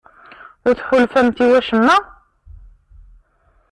Ur tḥulfamt i wacemma?